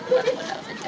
buat modal aja